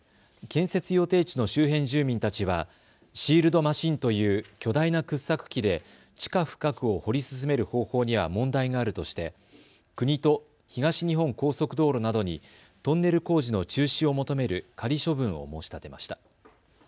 建設予定地の周辺住民たちはシールドマシンという巨大な掘削機で地下深くを掘り進める方法には問題があるとして国と東日本高速道路などにトンネル工事の中止を求める仮処分を申し立てました。